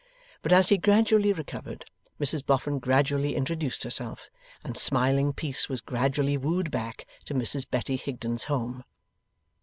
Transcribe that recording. But as he gradually recovered, Mrs Boffin gradually introduced herself; and smiling peace was gradually wooed back to Mrs Betty Higden's home.